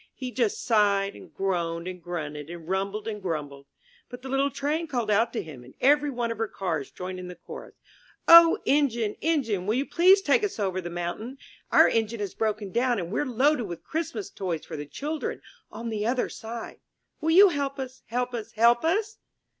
He just sighed, and groaned, and grunted, and rumbled, and grumbled! But the little Train called out to him and every one of her Cars joined in the chorus: *'0 Engine, Engine, will you please take us over the mountain? Our engine has broken down and 196 IN THE NURSERY we're loaded with Christmas toys for the children on the other side? Will you help us, help us, help us?